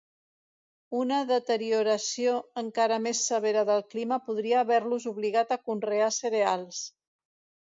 Una deterioració encara més severa del clima podria haver-los obligat a conrear cereals.